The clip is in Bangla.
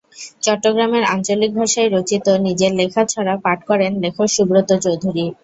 চট্টগ্রামের আঞ্চলিক ভাষায় রচিত নিজের লেখা ছড়া পাঠ করেন লেখক সুব্রত চৌধুরি।